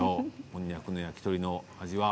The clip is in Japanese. こんにゃくの焼き鳥のお味は。